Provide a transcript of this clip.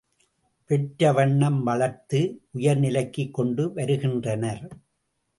பெற்ற வண்ணம் வளர்த்து, உயர் நிலைக்குக் கொண்டு வருகின்றனர்.